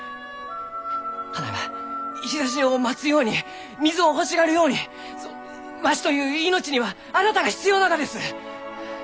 花が日ざしを待つように水を欲しがるようにわしという命にはあなたが必要ながです！